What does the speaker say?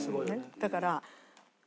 だから。